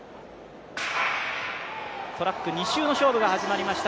トラック２周の勝負が始まりました